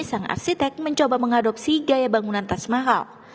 sang arsitek mencoba mengadopsi gaya bangunan tas mahal